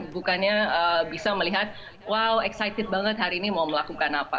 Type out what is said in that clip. bukannya bisa melihat wow excited banget hari ini mau melakukan apa